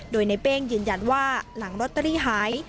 โดยในเป้งยืนยันว่าหลังลอตเตอรี่หาย